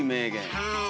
はい。